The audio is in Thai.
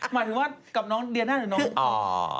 หมายถึงว่ากับน้องเดียน่าหรือน้อง